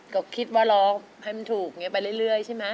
ก็คิดว่าร้องให้มันถูกอย่างนี้ไปเรื่อยใช่ไหม